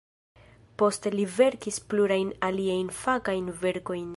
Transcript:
Poste li verkis plurajn aliajn fakajn verkojn.